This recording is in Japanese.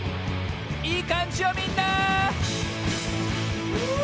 いいかんじよみんな！